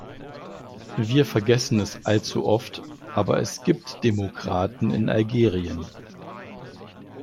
Wir vergessen es allzu oft, aber es gibt Demokraten in Algerien.